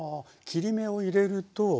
切り目を入れると。